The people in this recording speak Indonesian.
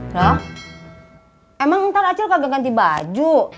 loh emang ntar acel kagak ganti baju